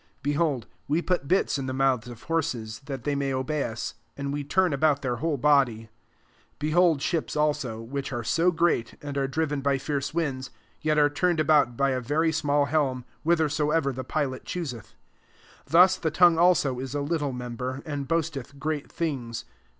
3 Behold, we put bits in the mouths of hor ses, that they may obey us: and we turn about their whole body. 4 Behold ships also, which are so great, and are driven by fierce winds, yet are turned about by a very small helm, whithersoever the pilot choos eth. 5 Thus the tongue also is a little member, and boasteth great things.